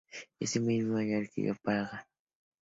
Ese mismo año se adquirió Praga Louny, a.s.